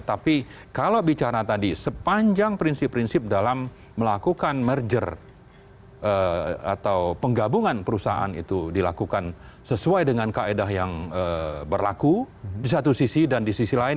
tapi kalau bicara tadi sepanjang prinsip prinsip dalam melakukan merger atau penggabungan perusahaan itu dilakukan sesuai dengan kaedah yang berlaku di satu sisi dan di sisi lain